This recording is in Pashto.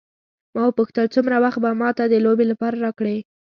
ما وپوښتل څومره وخت به ما ته د لوبې لپاره راکړې.